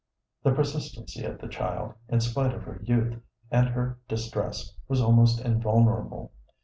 The persistency of the child, in spite of her youth and her distress, was almost invulnerable.